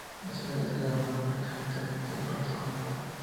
Estas áreas quedaron bajo el Secretario de Estado para las Colonias.